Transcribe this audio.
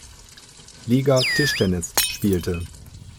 Liga Tischtennis spielte.